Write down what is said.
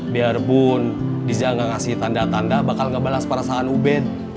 biarpun bisa ngasih tanda tanda bakal ngebalas perasaan ubed